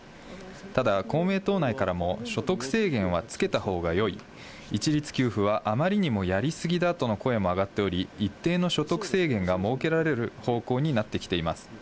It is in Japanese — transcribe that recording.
ただ、公明党内からも、所得制限はつけたほうがよい、一律給付はあまりにもやり過ぎだとの声も上がっており、一定の所得制限が設けられる方向になってきています。